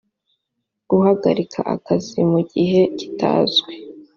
guhagarika akazi mu gihe kitazwi